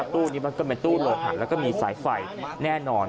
ตู้นี้ก็เป็นโรหะและมีสายไฟแน่นอน